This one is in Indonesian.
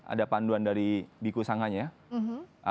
ada panduan dari bikusanganya ya